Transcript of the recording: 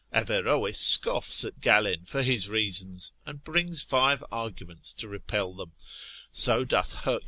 Averroes scoffs at Galen for his reasons, and brings five arguments to repel them: so doth Herc.